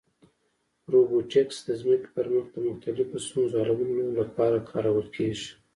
روبوټیکس د ځمکې پر مخ د مختلفو ستونزو حلولو لپاره کارول کېږي.